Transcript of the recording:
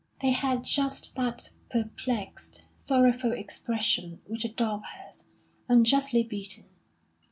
They had just that perplexed, sorrowful expression which a dog has, unjustly beaten.